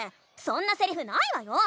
そんなセリフないわよ！